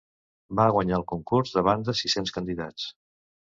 Va guanyar el concurs davant de sis-cents candidats.